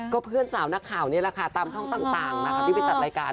ก็เพื่อนสาวนักข่าวนี่แหละค่ะตามช่องต่างนะคะที่ไปจัดรายการ